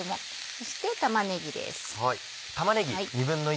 そして玉ねぎです。